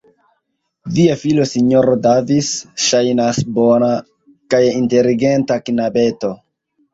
Via filo, Sinjoro Davis, ŝajnas bona kaj inteligenta knabeto.